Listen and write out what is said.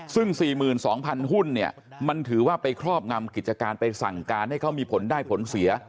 ซึ่ง๔๒๐๐หุ้นเนี่ยมันถือว่าไปครอบงำกิจการไปสั่งการให้เขามีผลได้ผลเสีย